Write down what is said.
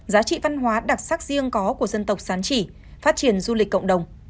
giá trị văn hóa đặc sắc riêng có của dân tộc sán chỉ phát triển du lịch cộng đồng